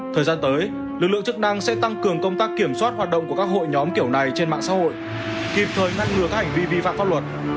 thời gian tới lực lượng chức năng sẽ tăng cường công tác kiểm soát hoạt động của các hội nhóm kiểu này trên mạng xã hội kịp thời ngăn ngừa các hành vi vi phạm pháp luật